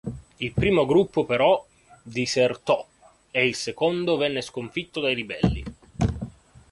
Il primo gruppo però disertò ed il secondo venne sconfitto dai ribelli.